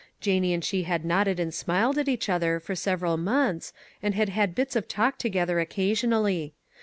Janie and she had nodded and smiled at each other, for several months, and had had bits of talk together, occasionally.